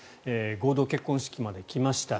合同結婚式まで来ました。